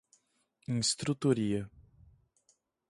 instrutória